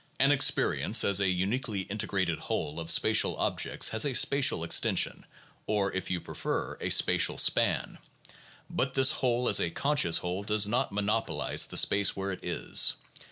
An experience as a uniquely integrated whole of spatial objects has a spatial extension, or, if you prefer it, a spatial span. But this whole as a conscious whole does not monopolize the space where it is.